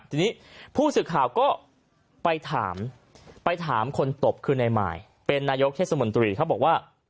ทีนี้ผู้สื่อข่าวก็ไปถามไปถามคนตบคือนายมายเป็นนายกเทศมนตรีเขาบอกว่า